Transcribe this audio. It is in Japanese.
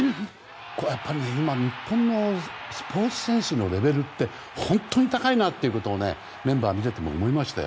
やっぱり今、日本のスポーツ選手のレベルって本当に高いなっていうことをメンバー見ていても思いましたよ。